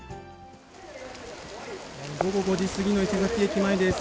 午後５時過ぎの伊勢崎駅前です。